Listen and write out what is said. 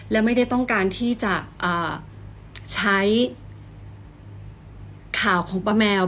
และไม่ได้ต้องการที่จะใช้ข่าวของป้าแมว